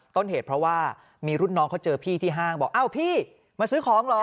ต้นเหตุเพราะว่ามีรุ่นน้องเขาเจอพี่ที่ห้างบอกอ้าวพี่มาซื้อของเหรอ